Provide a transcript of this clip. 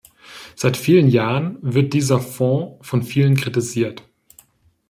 Seit vielen Jahren wird dieser Fonds von vielen kritisiert.